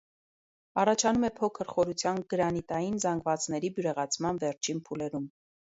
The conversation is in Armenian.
Առաջանում է փոքր խորության գրանիտային զանգվածների բյուրեղացման վերջին փուլերում։